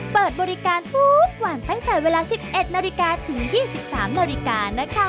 เปิดบริการหวานตั้งแต่เวลา๑๑นถึง๒๓นนะคะ